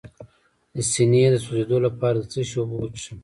د سینې د سوځیدو لپاره د څه شي اوبه وڅښم؟